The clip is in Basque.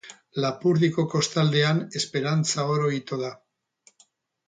Lapurdiko kostaldean esperantza oro ito da.